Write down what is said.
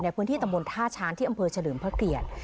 ในพื้นที่ตำบลท่าช้านที่อำเภอเฉลิมพระเกียร